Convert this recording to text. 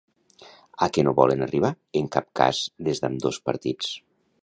A què no volen arribar en cap cas des d'ambdós partits?